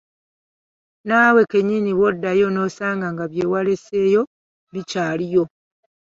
Naawe kennyini bw‘oddayo n‘osanga nga bye waleseeyo bikyaliyo.